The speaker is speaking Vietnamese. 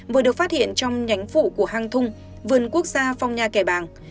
vừa được phát hiện trong nhánh phụ của hang thung vườn quốc gia phong nha kẻ bàng